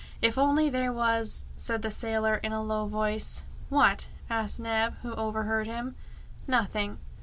"If only there was " said the sailor in a low voice. "What?" asked Neb, who overheard him. "Nothing!"